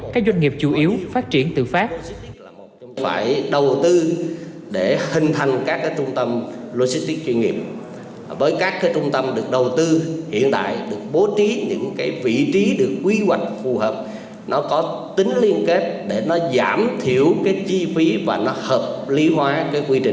các doanh nghiệp chủ yếu phát triển tự phát